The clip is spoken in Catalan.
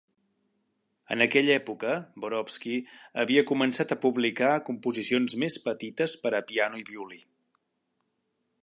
En aquella època, Borowski havia començat a publicar composicions més petites per a piano i violí.